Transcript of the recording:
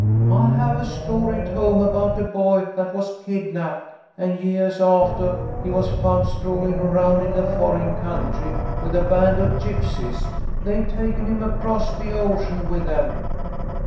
I have a story at home about a boy that was kidnapped, and yeahs aftah he was found strollin' around in a foreign country with a band of gypsies. They'd taken him across the ocean with them."